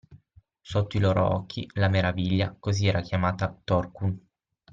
Sotto i loro occhi, la Meraviglia, così era chiamata Zorqun